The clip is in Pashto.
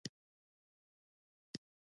د تره پاڼې د بواسیر لپاره وکاروئ